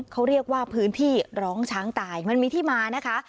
เขาเรียกว่าพื้นที่ร้องช้างตายมันมีที่มานะคะ